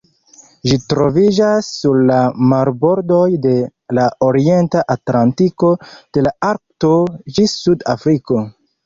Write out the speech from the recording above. Ĝi troviĝas sur la marbordoj de la Orienta Atlantiko, de la Arkto ĝis Sud-Afriko.